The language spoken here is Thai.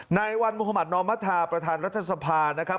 ในวันมุธมัธนอมธาประธานรัฐสภานะครับ